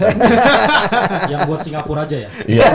yang buat singapura aja ya